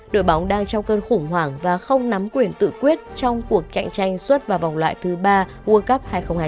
đội bóng đang trong cơn khủng hoảng và không nắm quyền tự quyết trong cuộc cạnh tranh xuất vào vòng loại thứ ba world cup hai nghìn hai mươi